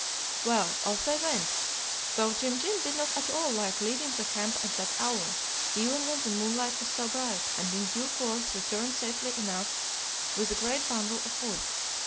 "Well, off they went, though Jim Jim did not at all like leaving the camp at that hour, even when the moonlight was so bright, and in due course returned safely enough with a great bundle of wood.